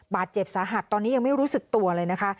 บาดเจ็บสาหัสตอนนี้ยังไม่รู้สึกตัวเลยนะคะ